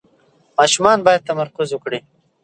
ماشومان باید تمرکز وکړي.